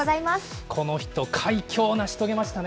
この人、快挙を成し遂げまし